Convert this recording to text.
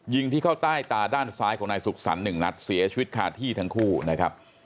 ยิงที่เข้าใต้ตาด้านซ้ายของนายสุขสรรค์หนึ่งนัดเสียชีวิตคาที่ทั้งคู่นะครับ